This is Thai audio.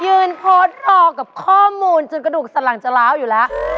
โพสต์ออกกับข้อมูลจนกระดูกสลังจะล้าวอยู่แล้ว